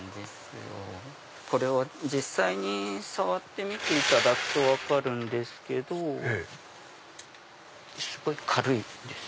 実際に触ってみていただくと分かるんですけどすごい軽いんです。